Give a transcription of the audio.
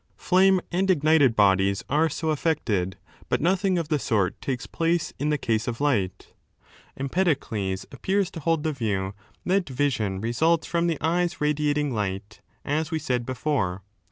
Flame and ignited bodies are so affected, but nothing of the sort takes 9 place in the case of light Empedocles appears to hold the view that vision results from the eye's radiating light, as we said before.